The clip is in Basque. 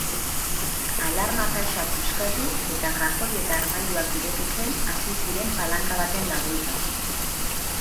Alarma kaxa puskatu eta kajoi eta armairuak irekitzen hasi ziren palanka baten laguntzaz.